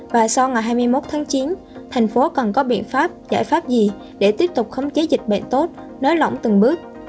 và sau ngày hai mươi một tháng chín thành phố cần có biện pháp giải pháp gì để tiếp tục khống chế dịch bệnh tốt nới lỏng từng bước